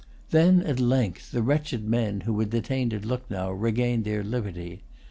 Then at length the wretched men who were detained at Lucknow regained their liberty.